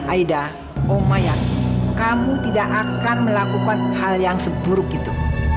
aida oma yakin kamu tidak akan melakukan hal yang seburuk itu